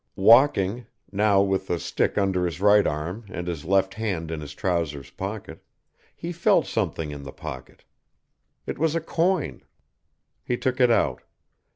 Walking, now with the stick under his right arm and his left hand in his trousers pocket, he felt something in the pocket. It was a coin. He took it out.